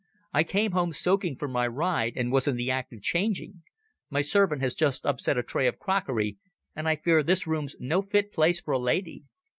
I came home soaking from my ride, and was in the act of changing. My servant has just upset a tray of crockery, and I fear this room's no fit place for a lady.